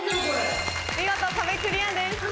見事壁クリアです。